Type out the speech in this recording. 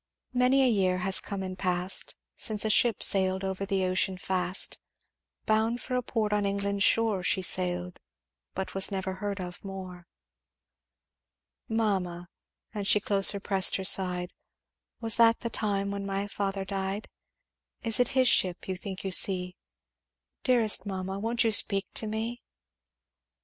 "'Many a year has come and past Since a ship sailed over the ocean fast, Bound for a port on England's shore, She sailed but was never heard of more.' "'Mamma' and she closer pressed her side, 'Was that the time when my father died? Is it his ship you think you see? Dearest mamma won't you speak to me?'